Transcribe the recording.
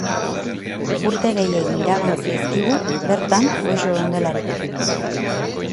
Urte gehiegi iragan zaizkigu bertan goxo geundelarik.